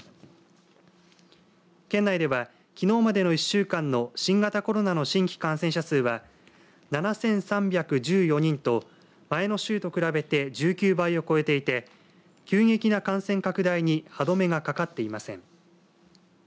県内ではきのうまでの１週間の新型コロナの新規感染者数は７３１４人と前の週と比べて１９倍を超えていて急激な感染拡大に歯止めがかかっていません。